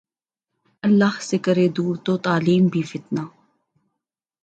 اللہ سے کرے دور ، تو تعلیم بھی فتنہ